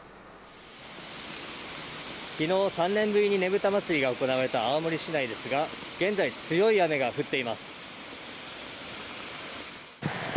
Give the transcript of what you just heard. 昨日、３年ぶりにねぶた祭が行われた青森市内ですが現在、強い雨が降っています。